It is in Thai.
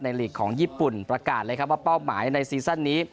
ลีกของญี่ปุ่นประกาศเลยครับว่าเป้าหมายในซีซั่นนี้